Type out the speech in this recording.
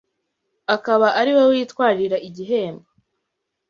akaba ari we witwarira igihembo